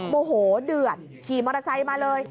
โมโหเดือดขี่มอเตอร์ไซค์มาเลย